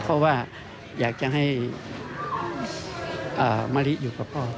เพราะว่าอยากจะให้มะลิอยู่กับพ่อ